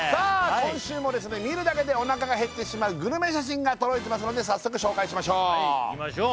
今週も見るだけでおなかが減ってしまうグルメ写真が届いていますので早速紹介しましょうはいいきましょう